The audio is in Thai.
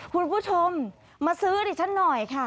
คุณผู้ชมมาซื้อดิฉันหน่อยค่ะ